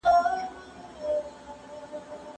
بروس کوئن د ټولنیز واقعیت پر نویو لارو ټینګار کوي.